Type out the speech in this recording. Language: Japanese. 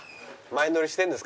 前乗りしてるの？